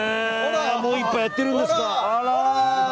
もう一杯やってるんですか。